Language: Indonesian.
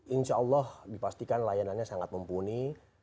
insya allah dipastikan layanannya sangat mumpuni